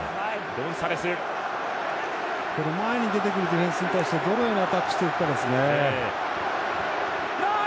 前に出てくるディフェンスに対してどのようにアタックしていくかですね。